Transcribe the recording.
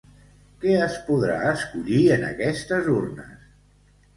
Què es podrà escollir en aquestes urnes?